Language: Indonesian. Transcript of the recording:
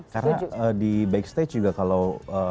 karena di backstage juga kalau